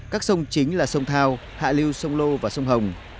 các sông chính là sông thao hạ lưu sông lô và sông hồng